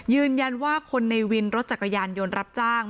ยืนยันว่าคนในวินรถจักรยานยนต์รับจ้าง